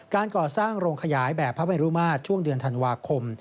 การก่อสร้างโรงขยายแบบพระเมรุมาตรช่วงเดือนธันวาคม